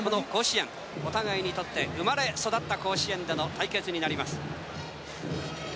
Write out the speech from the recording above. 実況：お互いにとって生まれ育った甲子園での対決になります。